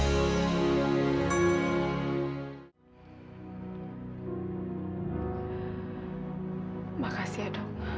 terima kasih dok